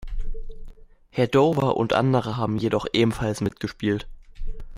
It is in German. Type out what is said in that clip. Herr Dover und andere haben jedoch ebenfalls mitgespielt.